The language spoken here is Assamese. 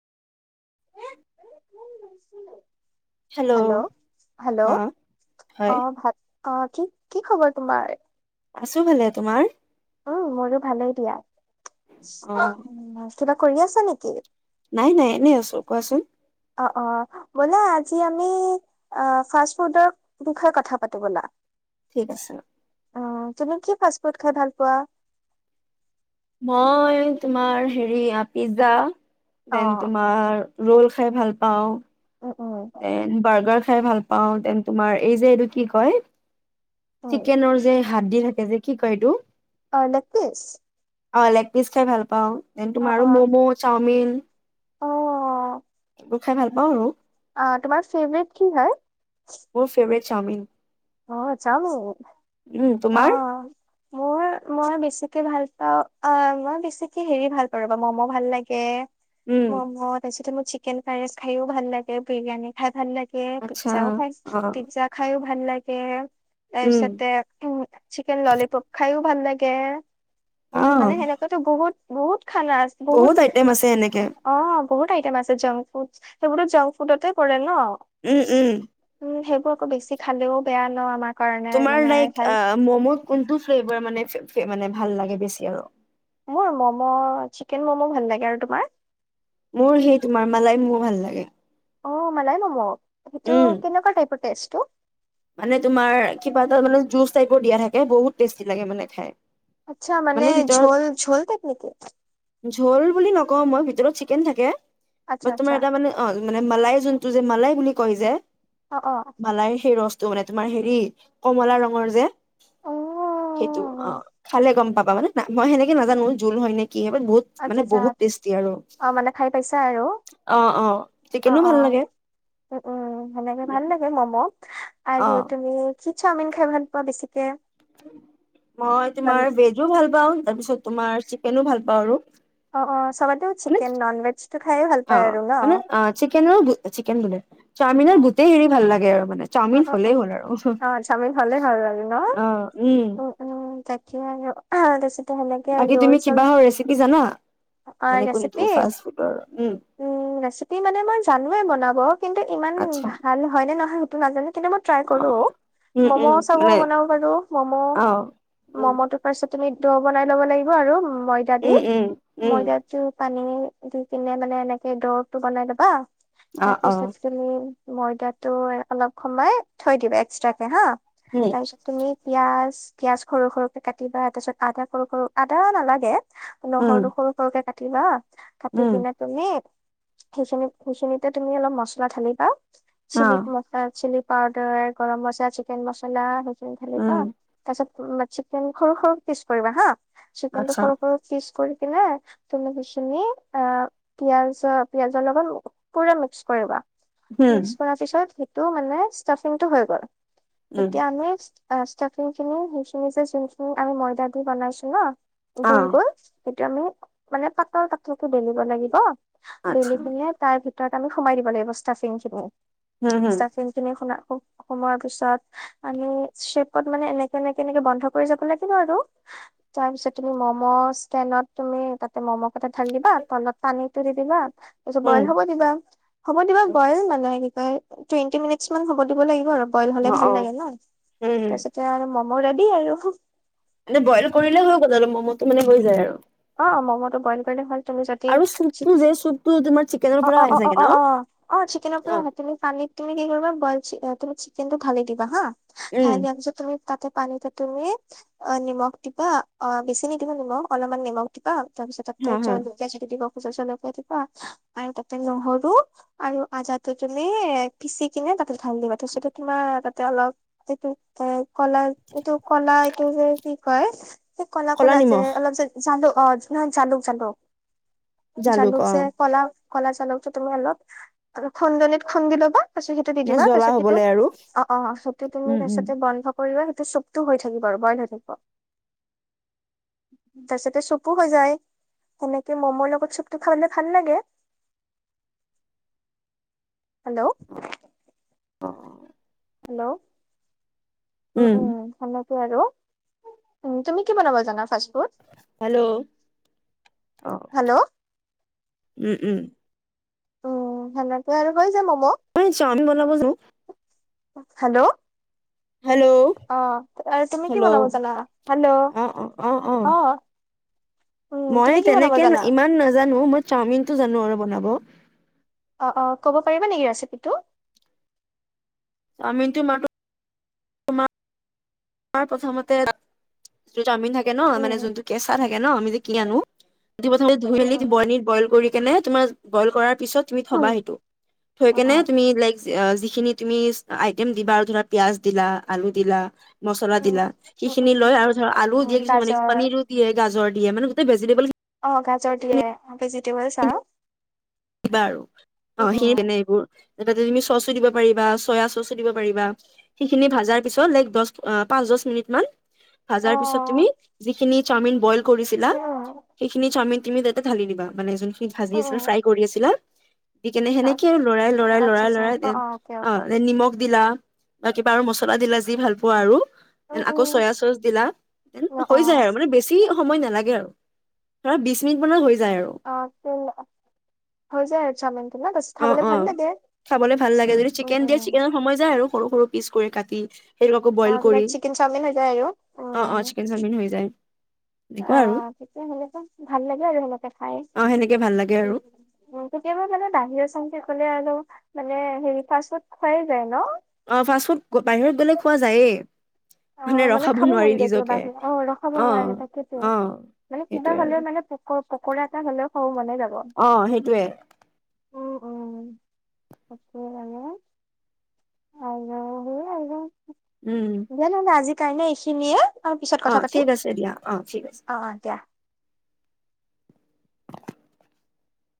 হেল্ল' অ হেল্ল' অ হয় ভ অ কি কি খবৰ তোমাৰ আছো ভালে তোমাৰ উম মোৰো ভালেই দিয়া অ কিবা কৰি আছা নেকি নাই নাই এনেই আছো কোৱাচোন অ অ ব'লো আজি আমি ফাষ্ট ফুডৰ বিষয়ে কথা পাতো ব'লা ঠিক আছে অ', তুমি কি ফাষ্ট ফুড খাই ভাল পোৱা? মই তোমাৰ হেৰি আ, পিজ্জা অ দেন তোমাৰ ৰোল খাই ভাল পাওঁ। উম উম এ বাৰ্গাৰ খাই ভাল পাওঁ তেন তোমাৰ এই যে এইটো কি কয়? উম চিকেন যে হাত দি থাকে যে কি কয় এইটো অ', লেগ পিচ অ', লেগ পিচ খাই ভাল পাওঁ। এন অ তোমাৰ অ ম'মো, চাওমিন [inaudible] অ এইবোৰ খাই ভাল পাওঁ আৰু অহ, তোমাৰ ফেভৰেট কি হয়? মোৰ ফেভৰেট চাওমিন। অ', চাওমিন। উম তোমাৰ অ', মোৰ মই বেছিকে ভাল ত' অ', মই বেছিকে হেৰি ভাল পাৰো বা ম'ম' ভাল লাগে। উম ম'ম তাইছোতে ম চিকেন ফাৰেচ খাইও ভাল লাগে, বিৰিয়ানী খাই ভাল লাগ আচ্ছা পিজ্জাও খাই, অ পিজা খায়ো ভাল লাগ এ তাৰ উম পিছতে উম, চিকেন ল'লিপপ খাইও ভাল লাগ কে অ মানে সেনেকুৱা তো বহুত বহুত খানা আছে বহুত আইটেম আছে এনেকে অ'। বহুত আইটেম আছে জংক ফুড সেইবোৰো জংক ফুডতে পৰে ন'। উম উম উম, হেই আকৌ বেছি খালেও বেয়া ন' আমাক তোমাৰ লাইক ম'মো কোনটো ফ্লেভাৰ মানে মানে ভাল লাগে বেছি আৰু। মোৰ মম' চিকেন ম'ম' ভাল লাগে আৰু তোমাৰ? মোৰ সেই তোমাৰ মালাই ম'ম' ভাল লাগে। অ', মালাই ম'ম'। সেইটো উম কেনেকুৱা টাইপৰ টেষ্টটো? মানে তোমাৰ কিবা এটা মানে জুচ টাইপৰ দিয়া থাকে বহুত টেষ্টি লাগে মানে খায়। আতচা মানে ঝোল ঝোল তেপ নেকি? ঝোল বুলি নকওঁ, মই ভিতৰত চিকেন থাকে। আচ্ছা বা তোমাৰ আচ্ছা এটা মানে অ মানে মালাই যোনটো যে, মালাই বুলি কয় যে অ অ মালাই সেই ৰচ তো মানে তোমাৰ হেৰি কমলা ৰঙৰ যে, অ সেইটো অ', খালে গম পাবা মানে মই সেনেকে নাজানো জোল হয়, নে কি হয় বাট বহুত মানে আতচা, আতচা বহুত টেষ্টি আৰু অ', মানে খাই পাইছা আৰু অ অ অ', চিকেনো ভাল অ', লাগে উ, উ, সেনেকে ভাল উম, লাগে মম আৰু অ তুমি কি চাওমিন খাই ভাল পোৱা বেছিকে? মই মান তোমাৰ ভেজো ভাল পাওঁ তাৰ পিছত তোমাৰ চিকেনো ভাল পাওঁ আৰু অ', অ সবতে মানে চিকেন নন ভেজ টো খাই ভাল পায় আৰু ন? চিকেনো-চিকেন বোলে চাওমিনৰ উম, গোটেই হেৰি ভাল লাগে আৰু মানে অ', চাওমিন অ', অ', হ'লেই হ'ল আৰু অ', চাওমিন হ'লে ভাল লাগে ন? উম, উম, তাক [unintelligible] সেনেকে বাকী ৰল তুমি চল কিবা ৰেচিপি জানা অ', মানে কোনটো ৰেচিপি ফাষ্ট ফুডৰ উম, ৰেচিপি মানে মই জানোৱে বনাব কিন্তু ইমান আচ্ছা ভাল হয়, নে নহয় সেইটো নাজানো কিন্তু মই ট্ৰাই অ কৰো, উম মম' উম চম' মানে বনাব পাৰো মম' অ উম মম' তো [unintelligible] তুমি দ বনাই ল'ব লাগিব আৰু উম ময়দা দি, উম উম উম ময়দাটো পানী দি কিনে মানে এনেকে দৌৰটো বনাই লবা অ অ তাৰপিছত তুমি ময়দাতো অলপ সময় থৈ দিব এক্সট্ৰাকে হা উম তাৰ পিছত তুমি পিঁয়াজ, পিয়াঁজ সৰু সৰুকে কাটিবা তাৰ পিছত আদা সৰু, সৰু আদা নালাগে উম নহৰু সৰু সৰুকে কাট কুটিবা কাটি উম কিনে তুমি সেইখিন সেইখিনিতে তুমি অলপ মছলা ঢালি পা অ চিলপ ম চিলি পাউদাৰ গৰম মচা চিকেন মচছলা খ বা উম তাৰত চিকেন সৰু সৰু পিচ কৰিবা হা চিকেন্তটো আচ্ছা সৰু স পিচ কৰি কি ন তুলসী চিনি অ পিয়াজ পিয়াজৰ লগত পুৰা মিক্স কৰিবা উম নে্পপিছ টো মানে ষ্টফিং টো হৈ গ'ল উম এতিয়া আমি ষ্টফিং খিনি সচ নিজে যোনখ আমি ময়দা দি বনাইছো ন অ গল গল সেইটো আমি মানে পাটৰ কাতো বেলিব লাগিব আচ্ছা বনি সিঙে তাৰ ভিতৰত তাক আমিোমাই দিব লাগিবস্তা ফিন চুি উম উম চষ্টাফিং চিনি খ য় পিছত আমিপ মানে এনেে এনেে এনেে বন্ধ কৰি যাব লাগ আৰু তাৰপিছতি মম ত তুমি ততে ম'ম কথা ঠাণ্িব তত পানী তু দিবিবা তাৰপিছত বইল হব দিবা হ'ব দিবা বইল মানুহে কি? আৰু টুৱেণ্টি মিনিট মান হব দিব লাগিব আৰু বইল হলে উম অ ভাল অ লাগে ন উম ততে আৰু মোৰৰেদি আৰু মানে বইল কৰিলে হৈ গ' ম'ম'টো মানে হৈ যায় আৰু অ ম'ম'টো বইল কৰিলে'ল তুমি যদি আৰু চ চুপটো যে চুপটো তোমাৰ চিকেনৰ অ পৰা অ আহে অ অ চাগে অ ন? অ অ চিকেনৰ পৰা অ' হয় তুমি পানীত তুমি কি কৰিবা বইল চ ত চিকেনটো ভালে দিবা হা থে উম আমি য তাতে পানী ত তুমি অ নিমখ দিবা অ বেছি নিদিব নিমখ অলপমান নিমখ ৰাতিিবা তাৰ পিছত হা ততেল হা চ দিব চল দিবা আৰু তাতে নহৰু আৰু আজাটো তুমি পিচি কিনে তাতে ঢালি দিবা তছটো তোমাৰ তাতে অলপ সেইটো কলা এইটো কলা এইটো যে কয় ক'লা ক'লা যে অলপ যে জানো অ', নহ জালুক, জালুক। জালুক জালুকযে অ' ক'লা ক'লা জালুকটো তুমি অলপ খুন্দনিত খুন্দি ল'বা। তাৰপিছত সেইটো দি নে দিবা জ্বলা তাৰিছত সেইটো হ'বলে আৰু অ', অ', সেইটো তুমি উম উম তাৰিছতে বন্ধ কৰিবা তাতে চুপটো হৈ থাকিব আৰু ব'ইল হৈ থাকিব, তাৰিছতে চুপ টু হৈ যায় সেনেকে ম'ম'ৰ লগত চুপটো খাবলে ভাল লাগে হেল্ল'। অ'। হেল্ল'। উম। আৰু উম, তুমি কি বনাব জানা ফাৰ্ষ হেল্ল' অহ। হেল্ল' উম, উম। উম, সেনেকো আৰু কয় যে ম'ম' হয় আমি বনাব জা হেল্ল'। হেল্ল' অহ আৰু তুমি কি হেল্ল' বনাব জানা? হেল্ল' অ' অ' অ' অ' অহ। মই তেনেকে ইমান নাজানো মই চাওমিনটো জানো আৰু বনাব। অ', অ', ক'ব পাৰিবা নেকি ৰেচিপিটো? আমি তো মা প্ৰথমতে চাওমিন থাক কে ন' উম, মানে যোনটো কেঁচা থাকে ন' আমি যে কিনি আনো প্ৰথমতে ধুই উম, মেলি উম, ব'ইল ব'ইল কৰি কেনে তোমাৰ ব'ইল কৰাৰ পিছত ধুই উম, থ'বা সেইটো থৈ অ', কিনে অ', যিখিনি তুমি আইটেম দিবা ধৰা পিয়াজ দিলা, আলু দিলা মচলা উম, দিলা সেইখিনি উম, লয় আৰু ধৰ আলুও উম, দিয়ে কিছুমানে গাজৰ পনীৰো দিয়ে গাজৰ দিয়ে মানে গোটে ভেজিটেবল অ', গাজৰ দিয়ে ভেজিটেবলছ আৰু। কিবা আৰু উম অ', সেই উম তেনে এইবোৰ তে তুমি চ'চো দিব পাৰিবা, চয়া চ'চো দিব পাৰিবা, সেইখিনি ভাজাৰ পিছত লাইক দ পাছ দছ মিনিট মান অ ভাজাৰ পিছত তুমি যিখিনি চাওমিন ব'ইল কৰিছিলা উম সেইখিনি চাওমিন তুমি তাতে ঢালি দিবা মানে জোন ভাজি আছিল উম ফ্ৰাই আহিছিলা দি কেনে সেনেকে আচ্ছা লৰাই লৰাই লৰাই আচ্ছা লৰাই অ অ অকে অকে অ নিমখ দিলা বা কিবা আৰু মছলা দিলা যি ভাল পোৱা আৰু উম ন আকৌ উম চয়া চচ দিলা অ ন হৈ যায় আৰু মানে বেছি সময় নালাগে আৰু ধৰা বিশ মিনিট মানৰ হৈ যায় আৰু অ তেল হৈ যায় আৰু চাওমেিনটো ন অ খাবলৈ অ ভাল লাগে খাবলৈ ভাল লাগে যদি উম চিকেন দিয়ে উম চিকেনৰ সময় যায় আৰু সৰু সৰু পিচ কৰি কাটি সেইটোক আকৌ অ বইল কৰি বিৰাট চিকেন চাওমিন হৈ যায় আৰু অ অ চিকেন চাওমিন হৈ যায় অ এনেকুৱা আৰু সেটোয়ে হলেতো ভাল লাগে আৰু সেনেকে খাই অ সেনেকে ভাল লাগে আৰু উ কেতিয়াবা মানে বাহিৰ চাহিৰে গলে আৰু মানে হেৰি ফাষ্ট ফুড খোৱাই যায় ন অ ফাষ্ট ফুড বাহিৰত গ'লে খোৱা যায়েই অ মানে ৰখাব খাব মন নোৱাৰি যায় কেতিয়াবা নিজকে কেতিয়াবা ব অ ৰখাব নোৱাৰে তাকেইেতো অ মানে সেইটোৱে কিবা আৰু হলেও মানে পোক পকৰা এটা হলেও খাব মন অ সেইটোৱে উম উম তাকে আৰু অ সেয়ে আৰু উম জানানো আজি কাৰাণে এইখিনিয়ে আৰু পিছত অ কথা পাতিম ঠিক আছে দিয়া অ ঠিক আছে অ অ দিয়া।